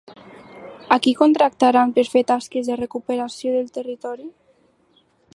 A qui contractaran per fer tasques de recuperació del territori?